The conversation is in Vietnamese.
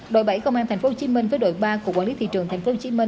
đội bảy công an tp hcm với đội ba của quản lý thị trường tp hcm